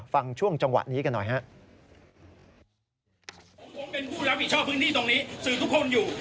ฟังช่วงจังหวะนี้กันหน่อย